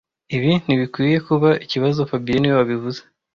Ibi ntibikwiye kuba ikibazo fabien niwe wabivuze